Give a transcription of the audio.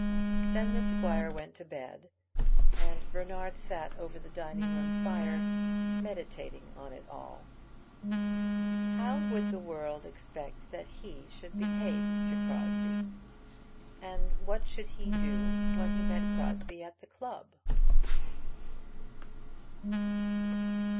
Then the squire went to bed, and Bernard sat over the dining room fire, meditating on it all. How would the world expect that he should behave to Crosbie? and what should he do when he met Crosbie at the club?